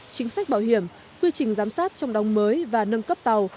chính sách bảo hiểm quy trình giám sát trong đóng mới và nâng cấp tàu